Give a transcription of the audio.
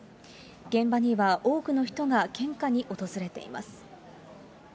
現場には多くの人が献花に訪れています。